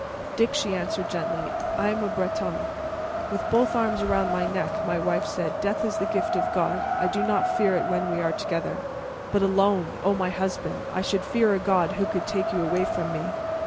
"Dick," she answered gently, "I am a Bretonne." With both arms around my neck, my wife said, "Death is the gift of God. I do not fear it when we are together. But alone oh, my husband, I should fear a God who could take you away from me!"